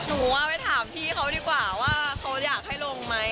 หนูไปถามพี่เขาดีกว่าว่าเขาอยากให้ลงไหม